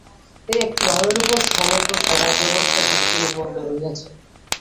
এই একটি ভাবের উপর সমগ্র সমাজ-ব্যবস্থার দৃষ্টি নিবদ্ধ রহিয়াছে।